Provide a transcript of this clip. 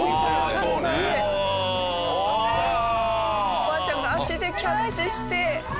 おばあちゃんが足でキャッチして。